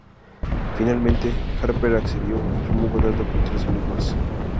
Finalmente, Harper accedió y firmó un contrato por tres años más.